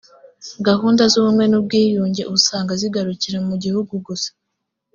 gahunda z ubumwe n ubwiyunge usanga zigarukira mu gihugu gusa